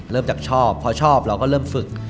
เริ่มจากชอบพอชอบเราก็เริ่มฝึก